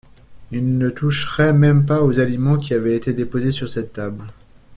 Il ne toucherait même pas aux aliments qui avaient été déposés sur cette table...